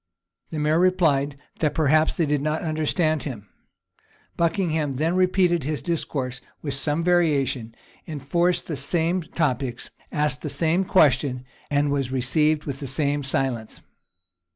The mayor replied, that perhaps they did not understand him. Buckingham then repeated his discourse with some variation. enforced the same topics, asked the same question, and was received with the same silence.